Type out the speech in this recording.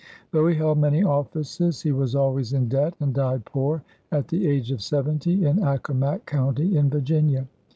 Though he held many offices, he was always in debt and died poor, at the age of seventy, in Accomac County in Virginia.